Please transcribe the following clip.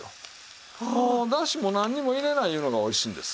もうだしも何も入れないいうのがおいしいんです。